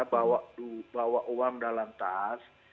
bawa uang dalam tas